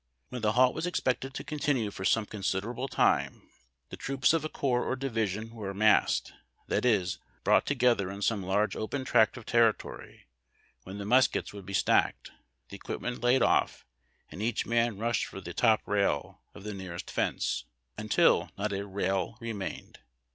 Wlien the halt was expected to continue for some considerable time the troops of a corps or division were massed, that is, brought together in some large open tract of territory, when the muskets would be stacked, the equipments laid off, and each man rush for the "top rail" of the nearest fence, until not a rail remained.